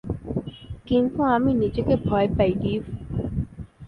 কিন্তু আমি নিজেকে ভয় পাই, রিফ।